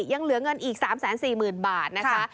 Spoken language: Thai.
ยังเหลือเงินอีก๓๔๐๐๐บาทนะคะ